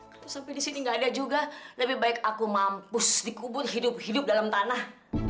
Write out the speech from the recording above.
kalau sampai di sini gak ada juga lebih baik aku mampu dikubur hidup hidup dalam tanah